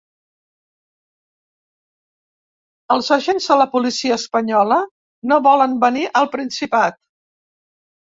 Els agents de la policia espanyola no volen venir al Principat.